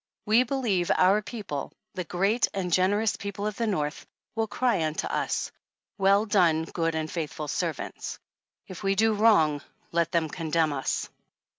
We believe our people, the great and generous people of the North, will cry unto us : Well done, good and faithful servants. If we do wrong, let them condemn us.